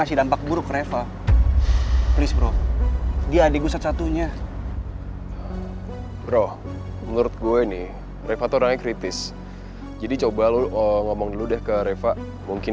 siapa sih tamu gue